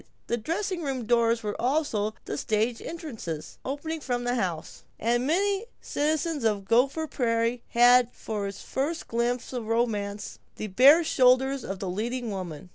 The dressing room doors were also the stage entrances, opening from the house, and many a citizen of Gopher Prairie had for his first glimpse of romance the bare shoulders of the leading woman.